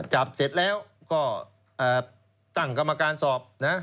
จับเสร็จแล้วก็ตั้งกรรมการสอบนะ